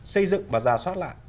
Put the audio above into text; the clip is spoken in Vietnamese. xây dựng và giả soát lại